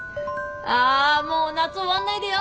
あもう夏終わんないでよ！